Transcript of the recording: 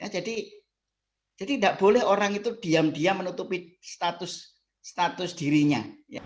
jadi tidak boleh orang itu diam diam menutupi status dirinya